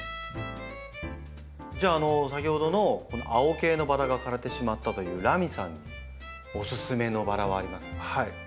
先ほどの青系のバラが枯れてしまったというらみさんにおすすめのバラはありますか？